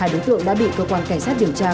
hai đối tượng đã bị cơ quan cảnh sát điều tra